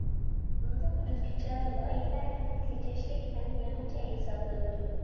مۇنداق ئۆزگىچە لايىھە ھەم تېجەشلىك، ھەم يېڭىچە ھېسابلىنىدۇ.